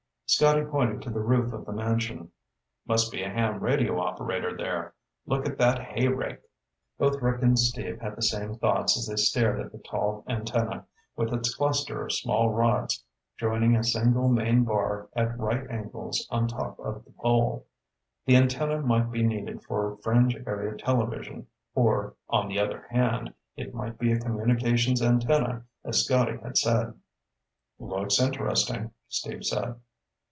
Scotty pointed to the roof of the mansion. "Must be a ham radio operator there. Look at that hay rake." Both Rick and Steve had the same thoughts as they stared at the tall antenna, with its cluster of small rods joining a single main bar at right angles on top of the pole. The antenna might be needed for fringe area television or, on the other hand, it might be a communications antenna, as Scotty had said. "Looks interesting," Steve said.